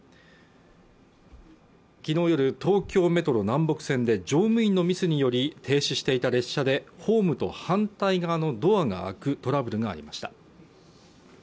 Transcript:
昨日夜東京メトロ南北線で乗務員のミスにより停止していた列車でホームと反対側のドアが開くトラブルがありました